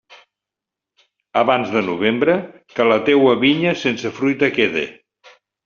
Abans de novembre, que la teua vinya sense fruita quede.